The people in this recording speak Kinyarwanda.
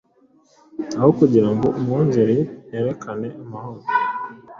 Aho kugira ngo umwungeri yerekane amahoro,